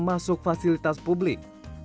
masuk fasilitas publik